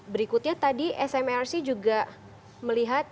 berikutnya tadi smrc juga melihat